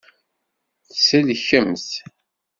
Tselkemt.